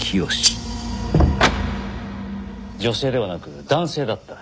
女性ではなく男性だった。